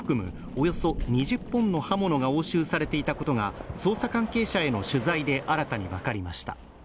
およそ２０本の刃物が押収されていたことが捜査関係者への取材で新たに分かりました。